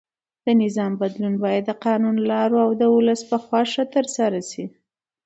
د نظام بدلون باید د قانوني لارو او د ولس په خوښه ترسره شي.